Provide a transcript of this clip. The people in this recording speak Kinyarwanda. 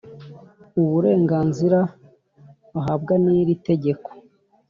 uburenganzira bahabwa n’iri tegeko